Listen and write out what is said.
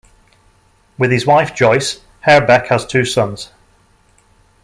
With his wife Joyce, Herbeck has two sons.